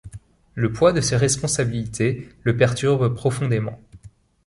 Le poids de ses responsabilités le perturbe profondément.